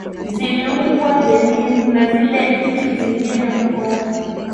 ziliunga benin na zile nchi zingine mkono